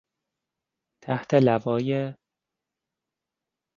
تحت لوای...